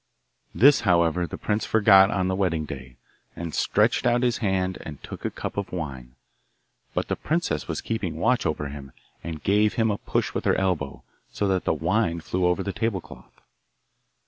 This, however, the prince forgot on the wedding day, and stretched out his hand and took a cup of wine; but the princess was keeping watch over him, and gave him a push with her elbow, so that the wine flew over the table cloth.